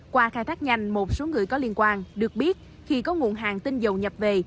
qua khai thác nhanh một số người có liên quan được biết khi có nguồn hàng tinh dầu nhập về